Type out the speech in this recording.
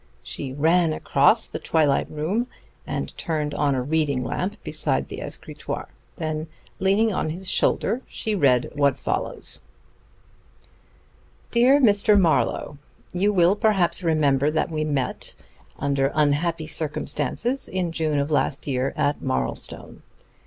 She ran across the twilight room, and turned on a reading lamp beside the escritoire. Then, leaning on his shoulder, she read what follows: Dear Mr. Marlowe: You will perhaps remember that we met, under unhappy circumstances, in June of last year at Marlstone.